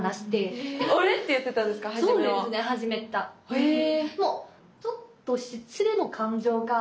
へえ。